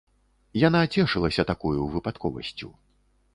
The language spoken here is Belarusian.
Яна цешылася такою выпадковасцю.